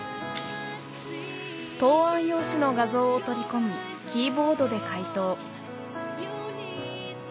答案用紙の画像を取り込みキーボードで解答。